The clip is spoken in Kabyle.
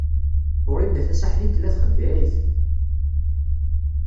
Wrida Tasaḥlit tella txeddeɛ-it.